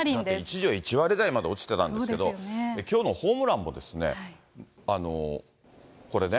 一時は１割台まで落ちてたんですけど、きょうのホームランも、これね。